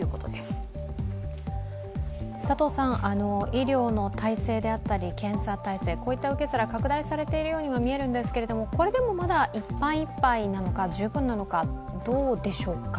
医療の体制であったり検査体制、こういった受け皿い拡大されているようにも見えるんですけれどもこれでもまだいっぱいいっぱいなのか十分なのか、どうでしょうか。